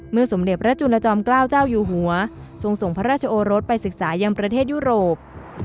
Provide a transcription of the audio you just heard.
สมเด็จพระจุลจอมเกล้าเจ้าอยู่หัวทรงส่งพระราชโอรสไปศึกษายังประเทศยุโรป